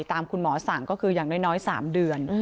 ตามคุณหมอสั่งก็คืออย่างน้อย๓เดือน